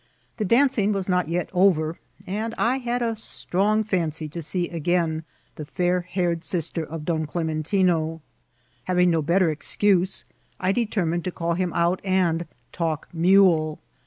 The dancing was not yet over, and I had a strong femcy to see again the fair haired sister of Don Clementine. Having no better excuse, I determined to call him out and *' talk mule."